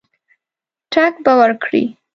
ټګ به ورکړي.